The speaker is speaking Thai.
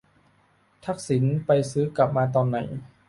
ทักษิณไปซื้อกลับมาตอนไหน ?